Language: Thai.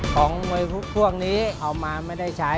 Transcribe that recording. ของมวยพวกนี้เอามาไม่ได้ใช้